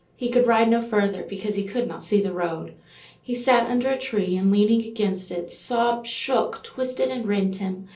He could ride no farther, because he could not see the road. He sat under a tree, and, leaning against it, sobs shook, twisted, and rent him.